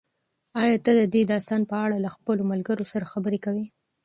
ایا ته د دې داستان په اړه له خپلو ملګرو سره خبرې کوې؟